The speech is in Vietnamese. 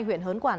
huyện hớn quảng